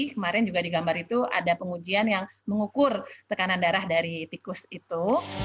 kemarin juga di gambar itu ada pengujian yang mengukur tekanan darah dari tikus itu